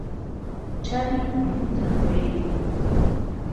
چاوی ئهنگوته کوڕی